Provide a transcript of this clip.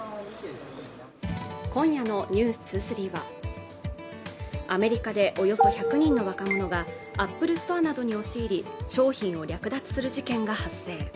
今夜の「ｎｅｗｓ２３」はアメリカで、およそ１００人の若者がアップルストアなどに押し入り商品を略奪する事件が発生。